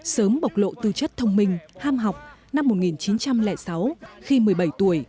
sớm bộc lộ tư chất thông minh ham học năm một nghìn chín trăm linh sáu khi một mươi bảy tuổi